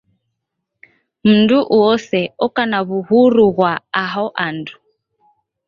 Mndu uoose oko na w'uhuru ghwa aho andu.